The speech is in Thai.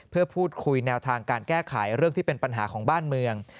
เพื่อพูดคุยแนวทางการแก้ไขเรื่องที่เป็นปัญหาของบ้านเมือง